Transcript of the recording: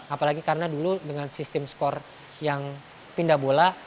apalagi karena dulu dengan sistem skor yang pindah bola